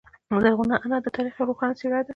زرغونه انا د تاریخ یوه روښانه څیره ده.